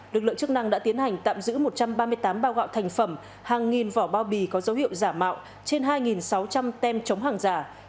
lực lượng chức năng đã tiến hành tạm giữ một trăm ba mươi tám bao gạo thành phẩm hàng nghìn vỏ bao bì có dấu hiệu giả mạo trên hai sáu trăm linh tem chống hàng giả